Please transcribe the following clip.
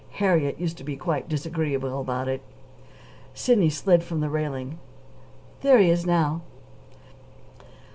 Harriet used to be quite disagreeable about it. Sidney slid from the railing. "There he is now."